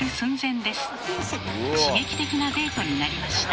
刺激的なデートになりました。